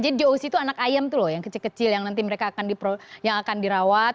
jadi jos itu anak ayam tuh loh yang kecil kecil yang nanti mereka akan dirawat